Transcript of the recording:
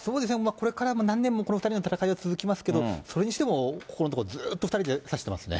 これからも何年もこの２人の戦いは続きますけど、それにしても、ここのところ、ずっと２人で指してますね。